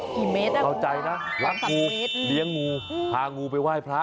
กี่เมตรครับรักงูเลี้ยงงูพางูไปไหว้พระ